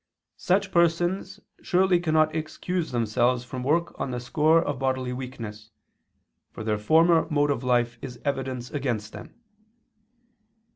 Such persons surely cannot excuse themselves from work on the score of bodily weakness, for their former mode of life is evidence against them."